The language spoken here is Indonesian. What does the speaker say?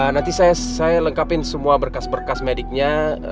nanti saya lengkapin semua berkas berkas mediknya